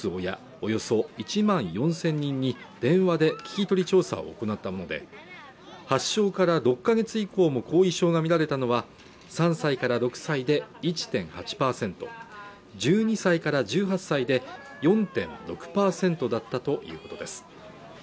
およそ１万４０００人に電話で聞き取り調査を行ったもので発症から６か月以降も後遺症が見られたのは３歳から６歳で１．８％１２歳から１８歳で４．６％だったということです